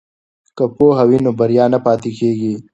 که پوهه وي نو بریا نه پاتې کیږي.